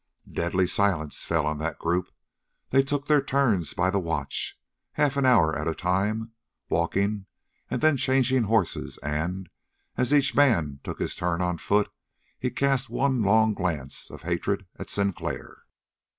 Deadly silence fell on that group. They took their turns by the watch, half an hour at a time, walking and then changing horses, and, as each man took his turn on foot, he cast one long glance of hatred at Sinclair.